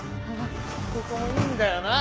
ここもいるんだよな